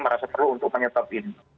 merasa perlu untuk menyetap ini